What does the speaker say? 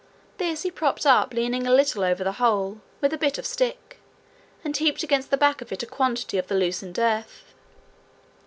This he propped up leaning a little over the hole, with a bit of stick, and heaped against the back of it a quantity of the loosened earth.